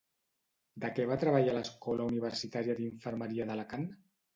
De què va treballar a l'Escola Universitària d'Infermeria d'Alacant?